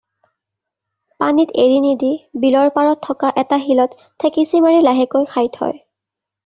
পানীত এৰি নিদি বিলৰ পাৰত থকা এটা শিলত থেকেচি মাৰি লাহেকৈ খাই থয়।